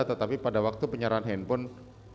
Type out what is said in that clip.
tetapi pada waktu penyerahan handphone